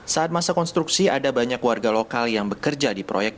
saat masa konstruksi ada banyak warga lokal yang berpengalaman dengan proyek ini